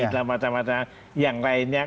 dalam wacana wacana yang lainnya